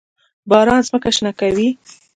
باران ځمکه شنه کوي.